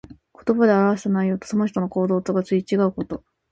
言葉で表した内容と、その人の行動とが食い違うこと。